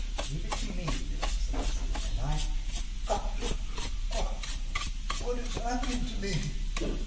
Leave it to me, your Excellency, and I...." "Oh, oh! ... What is happening to me?"